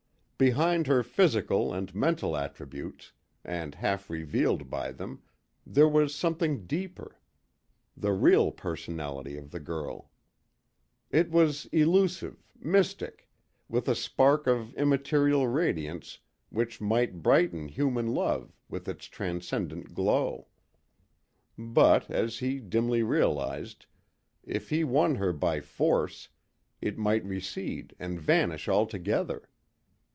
Behind her physical and mental attributes, and half revealed by them, there was something deeper: the real personality of the girl. It was elusive, mystic, with a spark of immaterial radiance which might brighten human love with its transcendent glow; but, as he dimly realised, if he won her by force, it might recede and vanish altogether.